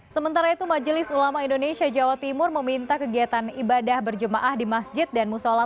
sementara itu majelis ulama indonesia jawa timur meminta kegiatan ibadah berjemaah di masjid dan musola